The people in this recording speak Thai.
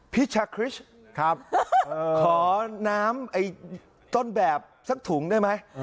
พี่ชะคริชขอน้ำต้นแบบสักถุงได้ไหม